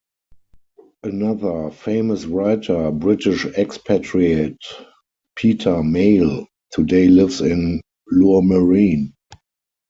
Another famous writer, British expatriate Peter Mayle today lives in Lourmarin.